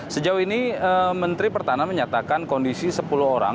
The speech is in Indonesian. sejauh ini menteri pertahanan menyatakan kondisi sepuluh orang